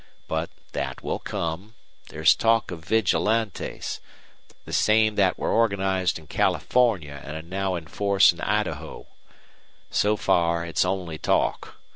But that will come. There's talk of Vigilantes, the same hat were organized in California and are now in force in Idaho. So far it's only talk.